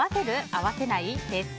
合わせない？です。